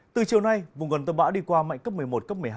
từ chiều nay vùng gần tâm bão đi qua mạnh cấp một mươi một cấp một mươi hai